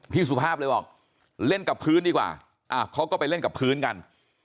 สุภาพเลยบอกเล่นกับพื้นดีกว่าเขาก็ไปเล่นกับพื้นกัน